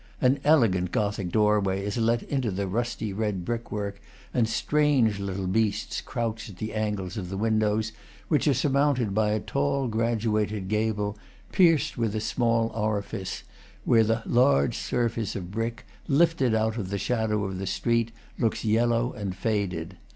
An elegant Gothic doorway is let into the rusty red brick work, and strange little beasts crouch at the angles of the windows, which are surmounted by a tall graduated gable, pierced with a small orifice, where the large surface of brick, lifted out of the shadow of the street, looks yellow and faded.